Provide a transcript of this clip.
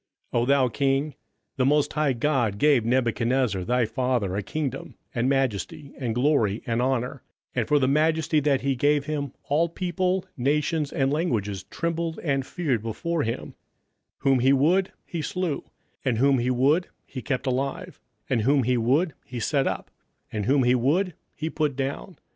27:005:018 O thou king, the most high God gave Nebuchadnezzar thy father a kingdom, and majesty, and glory, and honour: 27:005:019 And for the majesty that he gave him, all people, nations, and languages, trembled and feared before him: whom he would he slew; and whom he would he kept alive; and whom he would he set up; and whom he would he put down.